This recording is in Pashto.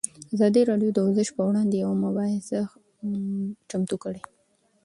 ازادي راډیو د ورزش پر وړاندې یوه مباحثه چمتو کړې.